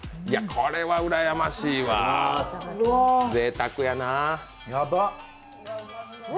いや、これはうらやましいわぜいたくやな。